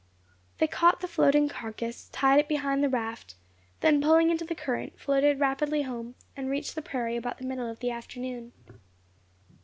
They caught the floating carcass, tied it behind the raft, then pulling into the current, floated rapidly home, and reached the prairie about the middle of the afternoon.